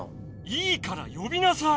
いいからよびなさい！